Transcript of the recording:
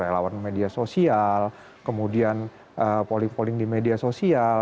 relawan media sosial kemudian polling polling di media sosial